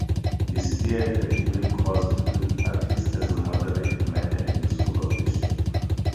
He steered an even course between parties as a moderate man and useful official.